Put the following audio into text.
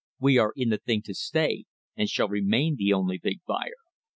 We are in the thing to stay, and shall remain the only big buyer.